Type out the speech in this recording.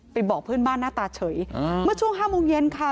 บอกเพื่อนบ้านหน้าตาเฉยเมื่อช่วง๕โมงเย็นค่ะ